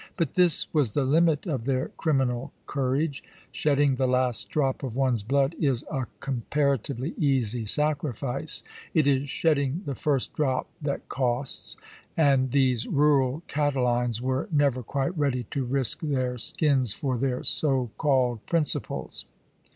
But this was the limit of their criminal courage. Shedding the last drop of one's blood is a comparatively easy sacrifice — it is shedding the first drop that costs ; and these rm al Catilines were 14 ABRAHAM LINCOLN never quite ready to risk their skins for their so called principles.